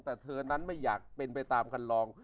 แต่เธอนั้นไม่อยากไปตามการลอง